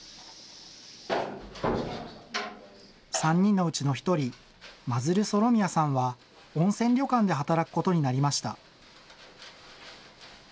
３人のうちの１人、マズル・ソロミアさんは温泉旅館で働くことになりました。